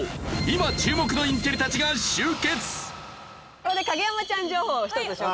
ここで影山ちゃん情報を１つ紹介させてください。